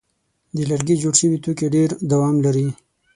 د لرګي جوړ شوي توکي ډېر دوام لري.